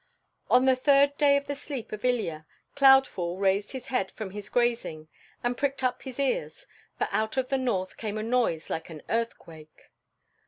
On the third day of the sleep of Ilya, Cloudfall raised his head from his grazing and pricked up his ears, for out of the north came a noise like an earthquake.